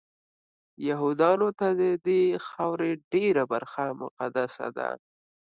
یهودانو ته ددې خاورې ډېره برخه مقدسه ده.